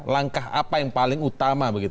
langkah apa yang paling utama